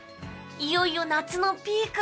いよいよ夏のピーク。